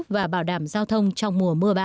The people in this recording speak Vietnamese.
và bảo đảm giao thông trong mùa mưa bão